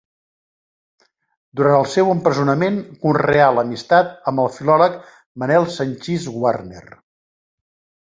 Durant el seu empresonament conreà l'amistat amb el filòleg Manel Sanchis Guarner.